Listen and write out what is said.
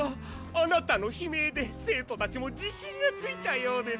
あなたの悲鳴で生徒たちも自信がついたようです！